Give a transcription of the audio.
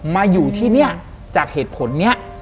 มาอยู่ที่นี่จากเหตุผลนี้